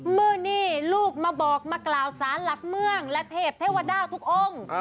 เมื่อนี้ลูกมาบอกมากล่าวสารหลักเมืองและเทพเทวดาทุกองค์